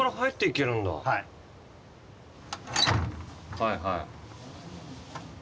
はいはい。